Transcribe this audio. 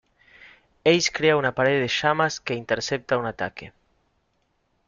Ace crea una pared de llamas que intercepta un ataque.